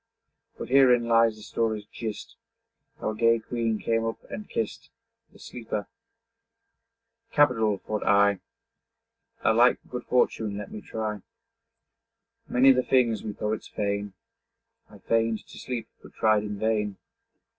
But herein lies the story's gist, How a gay queen came up and kist The sleeper. 'Capital!' thought I. 'A like good fortune let me try.' Many the things we poets feign. I feign'd to sleep, but tried in vain.